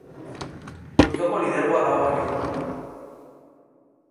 Multzoko lidergoa dago jokoan.